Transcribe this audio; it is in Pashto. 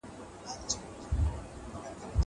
سبزېجات وچ کړه.